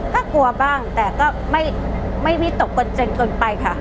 ก็กลัวบ้างแต่ก็ไม่วิตกกันจนเกินไปค่ะ